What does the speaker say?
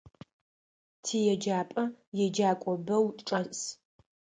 Тиеджапӏэ еджакӏо бэу чӏэс.